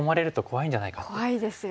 怖いですよ。